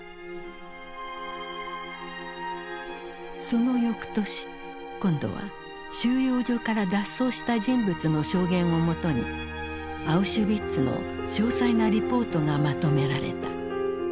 そのよくとし今度は収容所から脱走した人物の証言をもとにアウシュビッツの詳細なリポートがまとめられた。